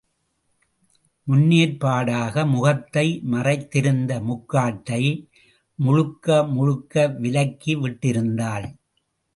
முன்னேற்பாடாக, முகத்தை மறைத்திருந்த முக்காட்டை முழுக்க முழுக்க விலக்கி விட்டிருந்தாள்.